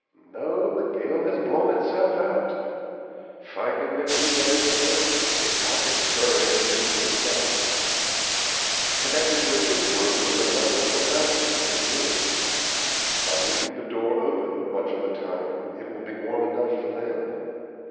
"No, the gale has blown itself out. Finding that we had escaped, it got discouraged and gave up. Connected with this room is another for Mousie and Winnie. By leaving the door open much of the time it will be warm enough for them.